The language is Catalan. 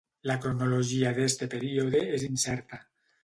La cronologia d'este període és incerta.